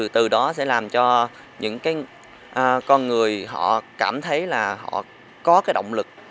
từ đó sẽ làm cho những con người họ cảm thấy là họ có cái động lực